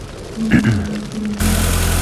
ওহ, বাবা, তুমি।